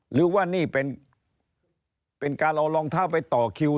หรือว่านี่เป็นการเอารองเท้าไปต่อคิว